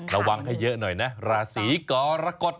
ระวังให้เยอะหน่อยนะราศีกรกฎ